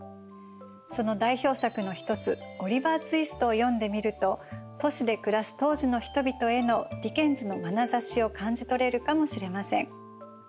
その代表作の一つ「ＯｌｉｖｅｒＴｗｉｓｔ」を読んでみると都市で暮らす当時の人々へのディケンズのまなざしを感じ取れるかもしれません。